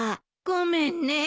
ごめんね。